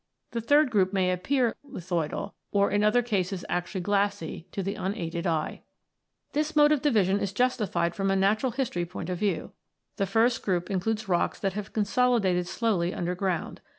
The third group may appear lithoidal, or in other cases actually glassy, to the unaided eye.^ This mode of division is justified from a natural history point of view. The first group includes rocks that have consolidated slowly underground.